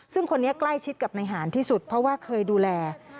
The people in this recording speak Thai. ซึ่งคนนี้ใกล้ชิดกับนายหารที่สุดเพราะว่าเคยดูแล